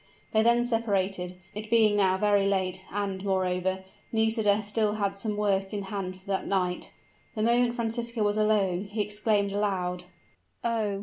They then separated, it being now very late; and, moreover, Nisida had still some work in hand for that night. The moment Francisco was alone, he exclaimed aloud, "Oh!